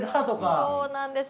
そうなんですよ